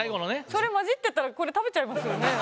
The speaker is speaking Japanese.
それ交じってたらこれ食べちゃいますよね。